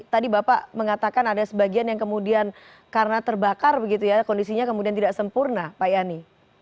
tadi bapak mengatakan ada sebagian yang kemudian karena terbakar begitu ya kondisinya kemudian tidak sempurna pak yani